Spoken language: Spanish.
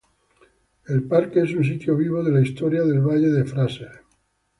El parque es un sitio vivo de la historia del Valle de Fraser.